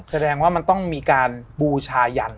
แสดงว่ามันต้องมีการบูชายัน